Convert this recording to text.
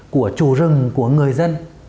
của chủ rừng của người dân